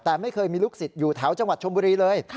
แต่ไม่เคยมีลูกศิษย์อยู่แถวจังหวัดชมบุรีเลย